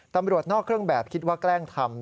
ตำรวจนอกเครื่องแบบคิดว่าแกล้งทำ